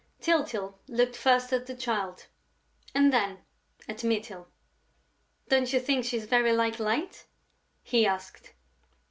Tyltyl looked first at the child and then at Mytyl: "Don't you think she's very like Light?" he asked.